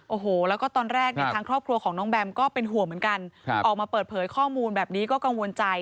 โอ้โหแล้วก็ตอนแรกเนี่ยทางครอบครัวของน้องแบมก็เป็นห่วงเหมือนกันออกมาเปิดเผยข้อมูลแบบนี้ก็กังวลใจ